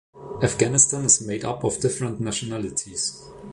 Afghanistan is made up of different nationalities.